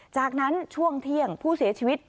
จากนั้นช่วงเที่ยงผู้เสียชีวิต